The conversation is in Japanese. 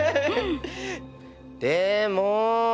でも。